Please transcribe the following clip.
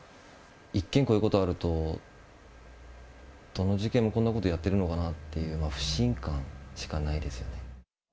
１件、こういうことがあると、どの事件もこんなことやってるのかなっていうような不信感しかないですよね。